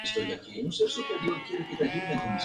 él parte